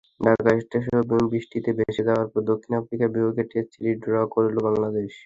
ঢাকা টেস্টও বৃষ্টিতে ভেসে যাওয়ায় দক্ষিণ আফ্রিকার বিপক্ষে টেস্ট সিরিজ ড্র করল বাংলাদেশ।